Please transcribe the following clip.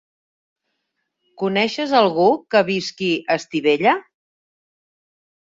Coneixes algú que visqui a Estivella?